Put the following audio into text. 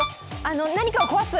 何かを壊す？